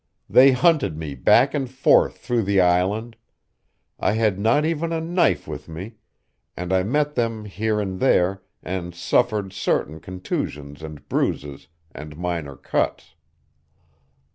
They hunted me back and forth through the island I had not even a knife with me and I met them here and there, and suffered certain contusions and bruises and minor cuts.